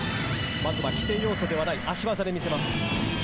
まずは基点要素ではない足技で見せます。